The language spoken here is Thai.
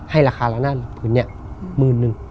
ให้ราคาละนั้นหมื่นนึง